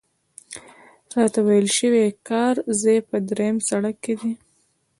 راته ویل شوي کار ځای په درېیم سړک کې دی.